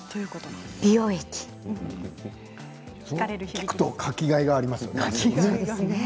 汗のかきがいがありますよね。